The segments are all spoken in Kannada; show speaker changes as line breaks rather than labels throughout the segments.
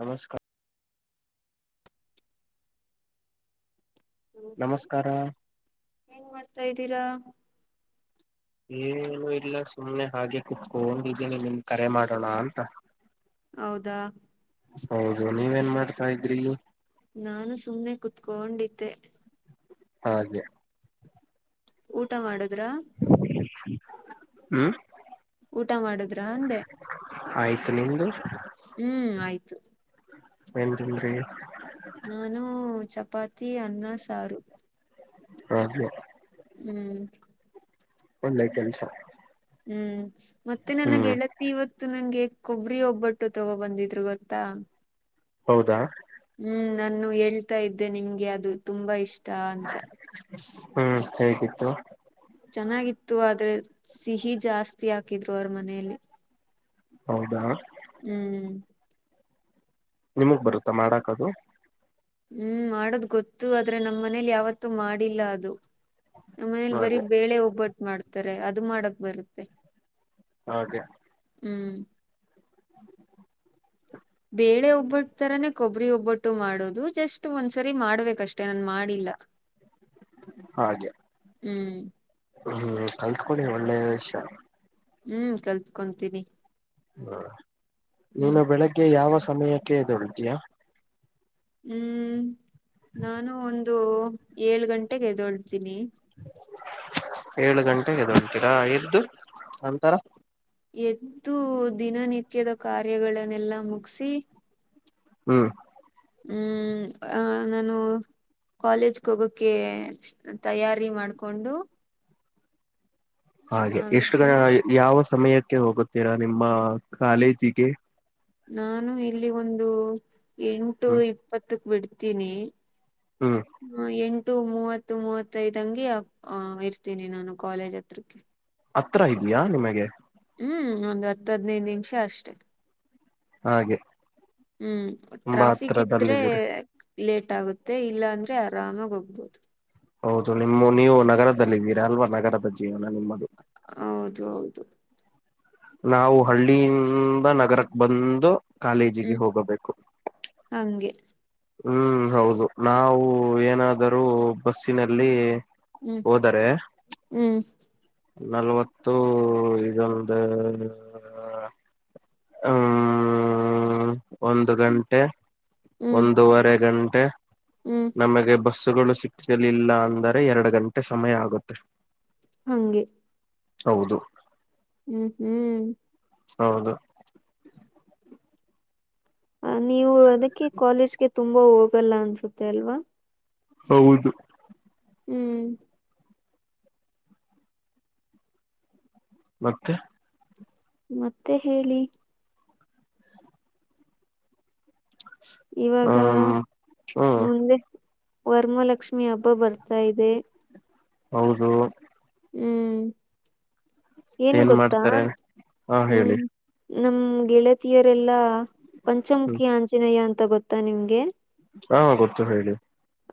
ನಮಸ್ಕಾರ.
ನಮಸ್ತೆ
ನಮಸ್ಕಾರ..
ಏನ್ ಮಾಡ್ತಾ ಇದ್ದೀರಾ?
ಏನು ಇಲ್ಲ ಸುಮ್ನೆ ಹಾಗೆ ಕುತ್ಕೊಂಡೊಂಡಿದ್ದೀನಿ. ನಿಮಗ್ ಕರೆ ಮಾಡೋಣ ಅಂತ.
ಹೌದಾ?
ಹೌದು ನೀವೇನ್ ಮಾಡ್ತಾ ಇದ್ರಿ.
ನಾನು ಸುಮ್ನೆ ಕುತ್ಕೊಂಡಿದ್ದೆ.
ಹಾಗೆ
ಊಟ ಮಾಡುದ್ರ?
ಹ್ಮ್
ಊಟ ಮಾಡುದ್ರ ಅಂದೆ?
ಆಯ್ತು ನಿಮ್ದು?
ಹ್ಮ್ ಆಯ್ತು.
ಏನ್ ತಿಂದ್ರಿ?
ನಾನು ಚಪಾತಿ, ಅನ್ನ, ಸಾರು.
ಅೆ [unintelligible]
ಹ್ಮ್
ಒಳ್ಳೆ ಕೆಲ್ಸ
ಹ್ಮ್ ಮತ್ತೆ ನನ್ನ
ಹ್ಮ್
ಗೆಳ್ ಇವತ್ತು ನನ್ಗೆ ಕೊಬ್ಬರಿ ಒಬ್ಬಟ್ಟು ತಗೋ ಬಂದಿದ್ರು ಗೊತ್ತಾ.
ಹೌದಾ?
ಹ್ಮ್ ನಾನು ಹೇಳ್ತಾ ಇದ್ದೆ ನಿಮ್ಗೆ ಅದು ತುಂಬಾ ಇಷ್ಟ ಅಂತ
ಹ್ಮ್ ಹೇಗಿತ್ತು?
ಚೆನ್ನಾಗಿತ್ತು. ಆದ್ರೆ ಸಿಹಿ ಜಾಸ್ತಿ ಹಾಕಿದ್ರು ಅವ್ರ ಮನೆಯಲ್ಲಿ.
ಹೌದಾ?
ಹ್ಮ್
ನಿಮಗ್ ಬರುತ್ತಾ ಮಾಡಾಕ್ ಅದು
ಹ್ಮ್ ಮಾಡದ್ ಗೊತ್ತು ಆದ್ರೆ ನಮ್ಮ್ ಮನೇಲಿ ಯಾವತ್ತೂ ಮಾಡಿಲ್ಲ ಅದು. ನಮ್ಮ ಮನೇಲಿ ಬರೀ
ಹಾಗೆ
ಬೇಳೆ ಒಬ್ಬಟ್ಟು ಮಾಡ್ತಾರೆ. ಅದು ಮಾಡಕ್ ಬರುತ್ತೆ
ಹೌದ ರೀ
ಹ್ಮ್
[inaudible]
ಬೇಳೆ ಒಬ್ಬಟ್ಟು ತರನೇ ಕೊಬ್ಬರಿ ಒಬ್ಬಟ್ಟು ಮಾಡೋದು ಜಸ್ಟ್ ಒಂದ್ಸರಿ ಮಾಡ್ಬೇಕ ಅಷ್ಟೇನ ಮಾಡಿಲ್ಲ
ಹಾಗೆ
ಹ್ಮ್.
ಹ್ಮ್ ಕಲ್ತಕೋಳಿ ಒಳ್ಳೆ ವಿಷಯ.
ಹ್ಮ್ ಕಲ್ತ್ಕೊಂತೀನಿ.
ಹ್ಮ
ಹ್ಮ್
ನೀನು ಬೆಳಗ್ಗೆ ಯಾವ ಸಮಯಕ್ಕೆ ಎದ್ದೇಳುತ್ತೀಯಾ.
ಹ್ಮ್ ನಾನು ಒಂದು ಏಳ ಗಂಟೆಗ ಎದೊಳ್ತೀನಿ.
ಏಳ ಗಂಟೆಗ ಎದ್ದೇಳ್ತಿರಾ ಎದ್ದು ನಂತರ.
ಎದ್ದು ದಿನನಿತ್ಯದ ಕಾರ್ಯಗಳನ್ನೆಲ್ಲಾ ಮುಗಸಿ.
ಹ್ಮ್.
ಹ್ಮ್ ಆಮೇಲ್ ನಾನು. ಕಾಲೇಜ್ಗ ಹೋಗೋಕ್ಕೆ ತಯಾರಿ ಮಾಡ್ಕೊಂಡು
ಹಾಗೆ ಎಷ್ಟು ಗ
ಆಮೇಲೆ
ಯಾವ ಸಮಯಕ್ಕೆ ಹೋಗುತ್ತೀರಾ ನಿಮ್ಮ ಕಾಲೇಜಿಗೆ.
ನಾನು ಇಲ್ಲಿ ಒಂದು ಎಂಟು
ಹ್ಮ್
ಇಪ್ಪತ್ತಕ್ ಬಿಡ್ತೀನಿ.
ಹ್ಮ್.
ಎಂಟು ಮೂವತ್ತ ಮೂವತ್ತೈದ್ಂಗಗೆ ಆ ಇರ್ತೀನಿ ನಾನು ಕಾಲೇಜ್ ಹತ್ರಕ್ಕೆ.
ಹತ್ರ ಇದಿಯಾ ನಿಮಗೆ.
ಹ್ಮ್ ಒಂದ ಹತ್ತದ್ನೈದ ನಿಮಿಷ ಅಷ್ಟೇ.
ಹಾಗೆ.
ಹ್ಮ್
ತುಂಬಾ
ಟ್ರಾಫಿಕ್ ಇದ್ರೆ
ಹತ್ರದಲ್ಲಿದ್ದೀರಿ
ಲೇಟ್ ಆಗುತ್ತೆ ಇಲ್ಲ ಅಂದ್ರೆ ಆರಾಮಾಗ ಹೋಗ್ಬೋದು.
ಹೌದು ನಿಮ್ಮ ನೀವು ನಗರದಲ್ಲಿದ್ದೀರಾ ಅಲ್ವಾ ನಗರದ ಜೀವನ ನಿಮ್ಮದು.
ಹೌದು ಹೌದು.
ನಾವು ಹಳ್ಳಿಯಿಂದ ನಗರಕ್ಕ ಬಂದು ಕಾಲೇಜಿಗೆ
ಹ್ಮ್
ಹೋಗಬೇಕು.
ಹಂಗೆ.
ಹ್ಮ್ ಹೌದು ನಾವು ಏನಾದರೂ ಬಸ್ಸಿನಲ್ಲಿ
ಹ್ಮ್
ಹೋದರೆ
ಹ್ಮ್
ನಲ್ವತ್ತು ಇದೊಂದು.
[inaudible]
ಹ್ಮ ಒಂದ ಗಂಟೆ
ಹ್ಮ್
ಒಂದೂವರೆ ಗಂಟೆ.
ಹ್ಮ್
ನಮಗೆ ಬಸ್ಸಗಳು ಸಿಕ್ಕಲಿಲ್ಲ ಅಂದರೆ ಎರಡು ಗಂಟೆ ಸಮಯ ಆಗುತ್ತೆ.
ಹಂಗೆ
ಹೌದು
ಹ್ಮ್ ಹ್ಮ್
ಹೌದು
ನೀವು ಅದಕ್ಕೆ ಕಾಲೇಜ್ಗೆ ತುಂಬಾ ಹೋಗಲ್ಲ ಅನ್ಸುತ್ತೆ ಅಲ್ವಾ.
ಹೌದು.
ಹ್ಮ್
ಮತ್ತೆ
ಮತ್ತೆ ಹೇಳಿ. ಇವಾಗಾ
ಹ್ಮ್ ಹ್ಮ್
ಮುಂದೆ ವರಮಾಲಕ್ಷ್ಮಿ ಹಬ್ಬ ಬರ್ತಾ ಇದೆ.
ಹೌದು
ಹ್ಮ್ ಏನ್ ಗೊತ್ತಾ
ಹಾ ಹೇಳಿ
ಹ್ಮ್ ನನ್ನ ಗೆಳತಿಯರೆಲ್ಲಾ
ಹ್ಮ್
ಪಂಚಮುಖಿ ಆಂಜನೇಯ ಅಂತ ಗೊತ್ತಾ ನಿಮ್ಗೆ.
ಹಾ ಗೊತ್ತು ಹೇಳಿ.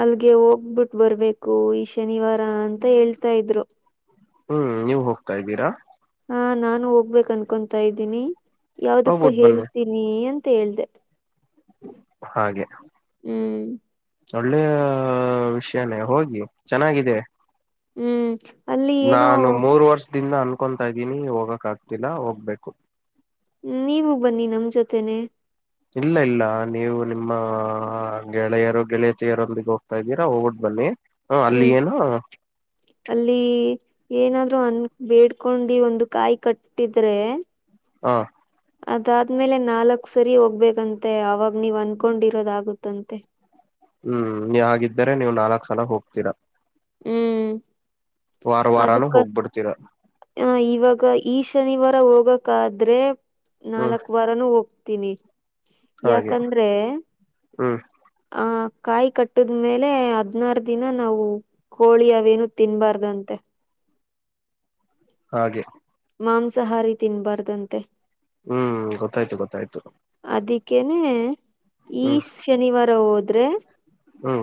ಅಲ್ಲಗೆ ಹೋಗ್ಬಿಟ್ ಬರ್ಬೇಕು ಈ ಶನಿವಾರ ಅಂತ ಹೇಳ್ತಾ ಇದ್ರು.
ಹ್ಮ್ ನೀವ ಹೋಗ್ತಾ ಇದ್ದೀರಾ.
ಹಾ ನಾನು ಹೋಗ್ಬೇಕ ಅನ್ಕೊತ ಇದ್ದೀನಿ ಯಾವದಕ್ಕೂ
ಹೋಗ್ಬಿಟ್ಟು ಬನ್ನಿ
ಹೇಳ್ತೀನಿ ಅಂತ ಹೇಳ್ದ.
ಹಾಗೆ
ಹ್ಮ
ಒಳ್ಳೆಯ ವಿಷಯನೇ ಹೋಗಿ ಚೆನ್ನಾಗಿದೆ.
ಹ್ಮ
ನಾನು ಮೂರ ವರ್ಷದಿಂದ ಅನ್ಕೊತಾ ಇದ್ದೀನಿ ಹೋಗಕ ಆಗ್ತಿಲ್ಲ ಹೋಗ್ಬೇಕು.
ನೀವು ಬನ್ನಿ ನಮ್ ಜೊತೆೇನೆ
ಇಲ್ಲ ಇಲ್ಲ ನೀವು ನಿಮ್ಮ ಗೆಳೆಯರು ಗೆಳೆಯತಿಯರೊಂದಿಗೆ ಹೋಗ್ತಾ ಇದ್ದೀರಾ ಹೋಗ ಬನ್ನಿ. ಹ್ಮ ಅಲ್ಲಿ
ಹ್ಮ್
ಏನು
ಅಲ್ಲಿ ಏನಾದ್ರು ಅನ್ ಬೇಡ್ಕೊಂಡಿ ಒಂದು ಕಾಯಿ ಕಟ್ಟಿದ್ರೆ
ಹಾ
ಅದಾದ್ಮೇಲೆ ನಾಲ್ಕ್ ಸರಿ ಹೋಗ್ಬೇಕಂತೆ ಅವಾಗ ನೀವ್ ಅನ್ಕೊಂಡಿರೋದಾಗುತ್ತಂತೆ.
ಹ್ಮ ಹಾಗಿದ್ದರೆ ನೀವ ನಾಲ್ಕ ಸಲ ಹೋಗ್ತೀರಾ.
ಹ್ಮ.
ವಾರ ವಾರಾನೂ ಹೋಗ್ಬಿಡ್ತೀರ.
ಹ ಇವಾಗ ಈ ಶನಿವಾರ ಹೋಗಕಾದ್ರೆ
ಹ್ಮ್
ನಾಲ್ಕ ವಾ ನ ಹೋಗ್ತೀನಿ.
ಹಾಗೆ
ಯಾಕಂದ್ರೆ
ಹ್ಮ
ಆ ಕಾಯಿ ಕಟ್ಟದ್ಮೇಲೆ ಹದ್ನಾರ ದಿನ ನಾವು ಹೋಳಿ ಅವೇನು ತಿನ್ಬಾರ್ದಂತೆ.
ಹಾಗೆ
ಮಾಂಸಾಹಾರಿ ತಿನ್ಬಾರ್ದಂತೆ.
ಹ್ಮ ಗೊತ್ತಾಯ್ತು ಗೊತ್ತಾಯ್ತು.
ಅದಕ್ಕೇನೆ ಈ
ಹ್ಮ್
ಶನಿವಾರ ಹೋದ್ರೆ
ಹ್ಮ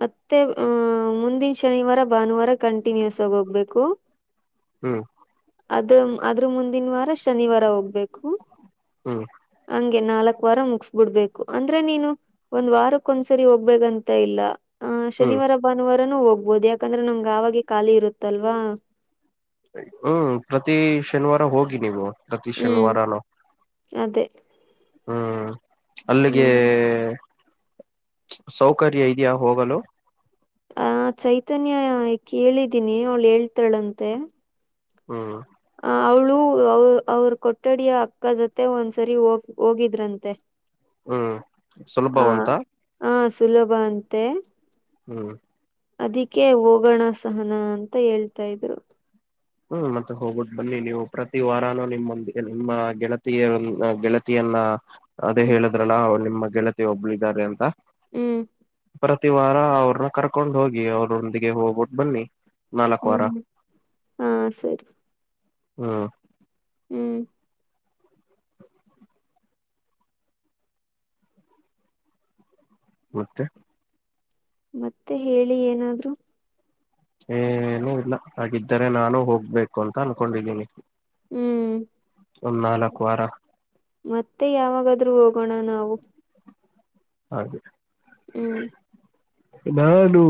ಮತ್ತೆ ಅ ಮುಂದಿನ ಶನಿವಾರ ಭಾನುವಾರ ಕಂಟಿನ್ಯೂಸ್ ಆಗಿ ಹೋಗ್ಬೇಕು.
ಹ್ಮ
ಅದ ಅದ್ರ ಮುಂದಿನ ವಾರ ಶನಿವಾರ ಹೋಗ್ಬೇಕು.
ಹ್ಮ್
ಹಂಗೆ ನಾಲ್ಕ ವಾರ ಮುಗಸ್ಬಿಡ್ಬೇಕು ಅಂದ್ರೆ ನೀನು ಒಂದ ವಾರಕ್ಕ ಒಂದ್ಸರಿ ಹೋಗ್ಬೇಂತ ಇಲ್ಲ. ಆ
ಹ್ಮ್
ಶನಿವಾರ ಭಾನುವಾರನು ಹೋಗ್ಬೋದು ಯಾಕಂದ್ರೆ ನಮ್ಗೆ ಅವಾಗೆ ಖಾಲಿ ಇರುತ್ತಲ್ವಾ.
ಹ್ಮ ಪ್ರತಿ ಶನಿವಾರ ಹೋಗಿ ನೀವು ಪ್ರತಿ
ಹ್ಮ್
ಶನಿವಾರನ
ಅದೇ
ಹ್ಮ ಅಲ್ಲಿಗೆ
ಹ್ಮ್
ಸೌಕರ್ಯ ಇದೆಯಾ ಹೋಗಲು
ಆ ಚೈತನ್ಯ ಕೇಳಿದ್ದೀನಿ ಅವಳು ಹೇಳ್ತಾಳಂತೆ.
ಹ್ಮ
ಅ ಅವ್ಳು ಅವ ಅವ್ರ ಕೊಠಡಿಯ ಅಕ್ಕ ಜೊತೆ ಒಂದ್ಸರಿ ಹೋಗ ಹೋಗಿದ್ರಂತೆ.
ಹ್ಮ ಸುಲಭವಂತ
ಹ ಸುಲಭ ಅಂತೆ
ಹ್ಮ
ಅದಕ್ಕೆ ಹೋಗೋಣ ಸಹನ ಅಂತ ಹೇಳ್ತಾ ಇದ್ರು.
ಹ್ಮ ಮತ್ತೆ ಹೋಗ್ಬಿಟ್ಟ ಬನ್ನಿ ನೀವು ಪ್ರತಿ ವಾರಾನೂ ನಿಮ್ಮಂದ ನಿಮ್ಮ ಗೆಳತಿಯ ಗೆಳ ವಿಯನ್ನ ಅದೇ
ಹ್ಮ್
ಹೇಳದ್ರಲ್ಲ ನಿಮ್ಮ ಗೆಳತಿ ಒಬ್ಳಿದ್ದಾರೆ ಅಂತ.
ಹ್ಮ
ಪ್ರತಿವಾರ ಅವ್ರನ್ನ ಕರ್ಕೊಂಡ ಹೋಗಿ ಅವ್ರೊಂದಿಗೆ ಹೋಗ್ಬಿಟ್ಟು ಬನ್ನಿ. ನಾಲ್ಕ್ ವಾರ
ಹ್ಮ ಹಾ ಸರಿ.
ಹಾ
ಹ್ಮ
ಮತ್ತೆ.
ಮತ್ತೆ ಹೇಳಿ ಏನಾದ್ರು.
ಏನು ಇಲ್ಲ ಹಾಗಿದ್ದರೆ ನಾನು ಹೋಗ್ಬೇಕು ಅಂತ ಅನ್ಕೊಂಡಿದೀನಿ.
ಹ್ಮ್
ಒಂದ್ ನಾಲಕ್ ವಾರ.
ಮತ್ತೆ ಯಾವಾಗಾದ್ರು ಹೋಗೋಣ ನಾವು.
ಹಾಗೆ.
ಹ್ಮ.
ನಾನು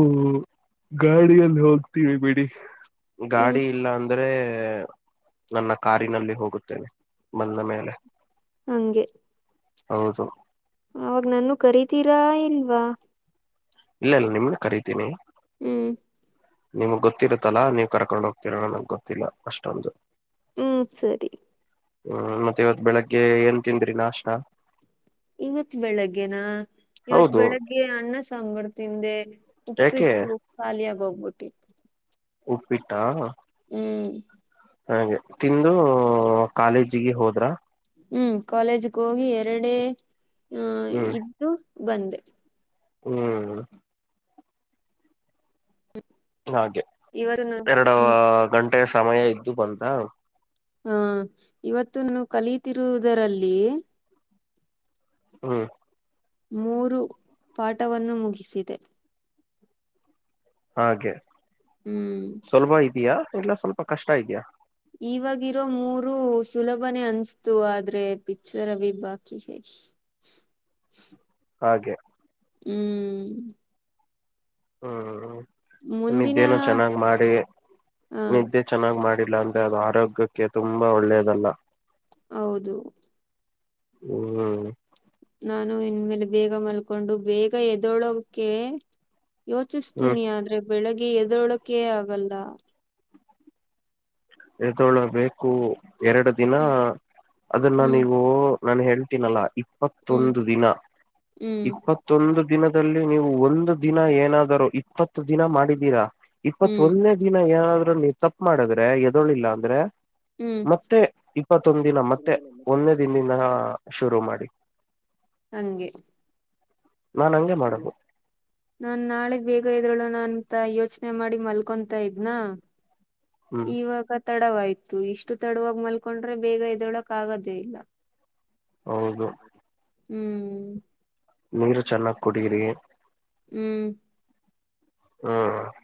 ಗಾಡಿಯಲ್ಲಿ ಹೋಗ್ತೀವಿ ಬಿಡಿ
ಹ್ಮ್
ಗಾಡಿ ಇಲ್ಲ ಅ ಅಂದ್ರೆ ನನ್ನ ಕಾರಿನಲ್ಲಿ ಹೋಗುತ್ತೇನೆ ಬಂದ ಮೇಲೆ
ಹಂಗೆ.
ಹೌದು.
ಅವಾಗ ನನ್ನು ಕರಿತೀರಾ ಇಲ್ವಾ.
ಇಲ್ಲ ಇಲ್ಲ ನಿಮ್ಗ ಕರೀತೀನಿ.
ಹ್ಮ್.
ನಿಮ್ಗ್ ಗೊತ್ತಿರುತ್ತಲ್ಲಾ ನೀವ್ ಕರ್ಕೊಂಡ್ ಹೋಗ್ತಿರ ನಗ್ ಗೊತ್ತಿಲ್ಲ ಅಷ್ಟೊಂದು.
ಹ್ಮ ಸರಿ.
ಹ್ಮ ಮತ್ತೆ ಇವತ್ ಬೆಳಿಗ್ಗೆ ಏನ್ ತಿಂದ್ರಿ ನಾಸ್ಟಾ.
ಇವತ್ ಬೆಳಗ್ಗೆನಾ ಇವತ್
ಹೌದು
ಬೆಳಗ್ಗೆ ಅನ್ನ ಸಾಂಬಾರ ತಿಂದೆ.
ಯಾಕೆ
ಉಪ್ಪಿಟ್ಟು ಖಾಲಿಯಾಗ ಹೋಗ್ಬಿಟ್ಟಿ
ಉಪ್ಪಿಟ್ಟಾ.
ಹ್ಮ.
ಹಾಗೆ ತಿಂದು ಕಾಲೇಜಿಗೆ ಹೋದ್ರ.
ಹ್ಮ ಕಾಲೇಜ್ಗೆ ಹೋಗಿ ಎರಡೆ ಆ ಇದ್ದು ಬಂದೆ.
ಹ್ಮ.
ಹ್
ಹಾಗೆ ಎರಡು ಗಂಟೆಯ ಸಮಯ ಇದ್ದು ಬಂದಾ.
ಹಾ ಇವತ್ತುನು ಕಲೀತಿರುವುದರಲ್ಲಿ.
ಹ್ಮ.
ಮೂರು ಪಾಠವನ್ನು ಮುಗಿಸಿದೆ.
ಹಾಗೆ
ಹ್ಮ್
ಸುಲ್ಭ ಇದ್ಯಾ ಇಲ್ಲ ಸ್ವಲ್ಪ ಕಷ್ಟ ಇದ್ಯಾ.
ಇವಾಗಿರೋ ಮೂರು ಸುಲಭನೆ ಅನ್ಸ್ತು ಆದ್ರೆ ಪಿಕ್ಚರ್ ಅ ಬಿ ಬಾಕಿ ಹೈ.
ಹಾಗೆ.
ಹ್ಮ.
ಹ್ಮ್ ಹ್ಮ್
ಮುಂದಿನ
ನಿದ್ದೇನು ಚೆನ್ನಾಗ್ ಮಾಡಿ
ಹ
ನಿದ್ದೆ ಚೆನ್ನಾಗ್ ಮಾಡಿಲ್ಲ ಅಂದ್ರೆ ಅದು ಆರೋಗ್ಯಕ್ಕೆ ತುಂಬಾ ಒಳ್ಳೇದಲ್ಲ.
ಹೌದು.
ಹ್ಮ್
ನಾನು ಇನ್ಮೇಲೆ ಬೇಗ ಮಲ್ಕೊಂಡು ಬೇಗ ಏದ್ದೋಳೋಕೆ.
ಹ್ಮ್
ಯೋಚಿಸ್ತೀನಿ ಆದ್ರೆ ಬೆಳಗ್ಗೆ ಎದೋಳಕೆ ಆಗಲ್ಲ.
ಎದ್ದುಳಬೇಕು ಎರಡು ದಿನ
ಹ್ಮ್
ಅದನ್ನ
ಹ್ಮ್
ನೀವು ನಾನು ಹೇಳ್ತೀನಲ್ಲ ಇಪ್ಪತ್ತೊಂದು ದಿನ
ಹ್ಮ್
ಇಪ್ಪ ಮತ್ತೊಂದು ದಿನದಲ್ಲಿ ನೀವು ಒಂದು ದಿನ ಏನಾದರೂ ಇಪ್ಪತ್ತು ದಿನ ಮಾಡಿದೀರಾ.
ಹ್ಮ್
ಇಪ್ಪತ್ತೊನ್ನೇ ದಿನ ಏನಾದ್ರ ನೀ ತಪ್ಪ ಮಾಡಿದ್ರೆ ಎದೋಳಿಲ್ಲ ಅಂದ್ರೆ
ಹ್ಮ್
ಮತ್ತೆ ಇಪ್ಪತ್ತೊಂದ ದಿನ ಮತ್ತೆ ಒಂದೇ ದಿನಿನ ಶುರು ಮಾಡಿ.
ಹಂಗೆ
ನಾನ ಹಂಗೆ ಮಾಡದು.
ನಾನ ನಾಳೆ ಬೇಗ ಇದ್ದೋಳೋಣ ಅಂತ ಯೋಚನೆ ಮಾಡಿ ಮಲ್ಕೊಂತ ಇದ್ನಾ.
ಹ್ಮ್
ಇವಾಗ ತಡವಾಯ್ತು ಇಷ್ಟು ತಡವಾಗಿವಾಗಿ ಮಲ್ಕೊಂಡ್ರೆ ಬೇಗ ಎದ್ದಳಕ್ ಆಗೋದೇ ಇಲ್ಲ.
ಹೌದು.
ಹ್ಮ
ನೀರು ಚೆನ್ನಾಗ ಕುಡಿರೀ.
ಹ್ಮ
ಹಾ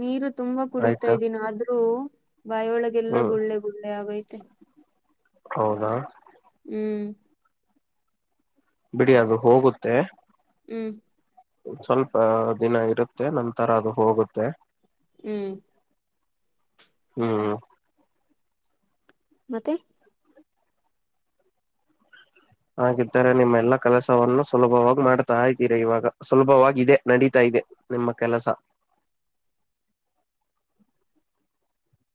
ನೀರು ತುಂಬಾ ಕುಡಿತಾ ಇದ್ದೀನ ಆದ್ರೂ ಬಾಯಿಯೊಳಗೆಲ್ಲ
ಹ್ಮ್
ಗುಳ್ಳೆ ಗುಳ್ಳೆ ಆಗೈತೆ.
ಹೌದಾ.
ಹ್ಮ
ಬಿಡಿ ಅದು ಹೋಗುತ್ತೆ.
ಹ್ಮ.
ಸ್ವಲ್ಪ ದಿನ ಇರುತ್ತೆ ನಂತರ ಅದು ಹೋಗುತ್ತೆ.
ಹ್ಮ
ಹ್ಮ
ಮತ್ತೆ
ಹಾಗಿದ್ದರೆ ನಿಮ್ಮೆಲ್ಲಾ ಕೆಲಸವನ್ನು ಸುಲಭವಾಗಿ ಮಾಡ್ತಾ ಇದ್ದೀರಾ ಇವಾಗ ಸುಲಭವಾಗಿ ಇದೆ ನಡೀತಾ ಇದೆ. ನಿಮ್ಮ ಕೆಲಸ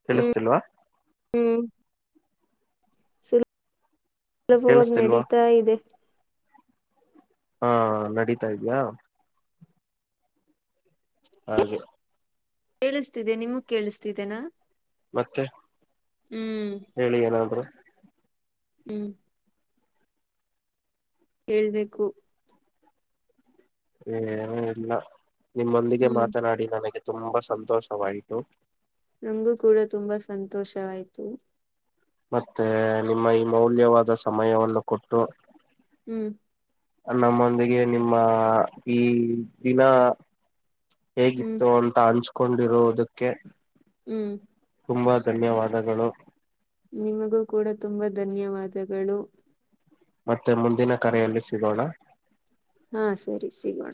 ಕೇಳಿಸ್ತಿಲ್ವಾ.
ಹ್ಮ ಸಲಭವಾಗ
ಕೇಳಿಸ್ತಿಲ್ವಾ
ನಡೀತಾ ಇದೆ.
ಹಾ ನಡೀತಾ ಇದ್ಯಾ. ಹಾಗೆ
ಕೇಳಿಸ್ತಿದೆ ನಿಮಗ ಕೇಳಿಸ್ತಿದೆೇನಾ.
ಮತ್ತೆ
ಹ್ಮ
ಹೇಳಿ ಏನಾದ್ರು.
ಹ್ಮ ಹೇಳ್ಬೇಕು.
ಏನಿಲ್ಲಾ ನಿಮ್ಮೊಂದಿಗೆ
ಹ್ಮ್
ಮಾತನಾಡಿ ನನಗೆ ತುಂಬಾ ಸಂತೋಷವಾಯ್ತು.
ನಂಗು ಕೂಡ ತುಂಬಾ ಸಂತೋಷ ಆಯ್ತು.
ಮತ್ತೆ ನಿಮ್ಮ ಈ ಮೌಲ್ಯವಾದ ಸಮಯವನ್ನು ಕೊಟ್ಟು
ಹ್ಮ
ನಮ್ಮೊಂದಿಗೆ ನಿಮ್ಮ ಈ ದಿನ
ಹ್ಮ್
ಹೇಗಿತ್ತು ಅಂತ ಹಂಚ್ಕೊಂಡಿರುದಕ್ಕೆ
ಹ್ಮ
ತುಂಬಾ ಧನ್ಯವಾದಗಳು.
ನಿಮಗೂ ಕೂಡ ತುಂಬಾ ಧನ್ಯವಾದಗಳು.
ಮತ್ತೆ ಮುಂದಿನ ಕರೆಯಲ್ಲಿ ಸಿಗೋಣ.
ಹಾ ಸರಿ ಸಿಗೋಣ.